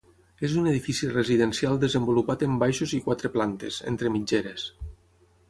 És un edifici residencial desenvolupat en baixos i quatre plantes, entre mitgeres.